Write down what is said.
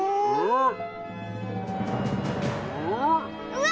うわ！